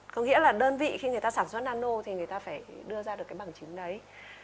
có nghĩa là đơn vị khi người ta sản xuất nano thì người ta phải đưa ra được cái bằng chứng đấy